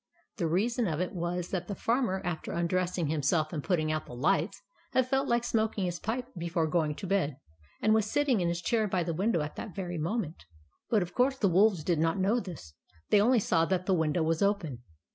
The reason of it was, that the Farmer, after un dressing himself and putting out the lights, had felt like smoking his pipe before going to bed, and was sitting in his chair by the window at that very moment. But of TRICKS OF THE BAD WOLF 151 course the wolves did not know this. They only saw that the window was open.